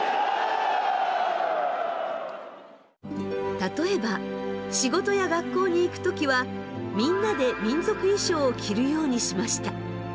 例えば仕事や学校に行く時はみんなで民族衣装を着るようにしました。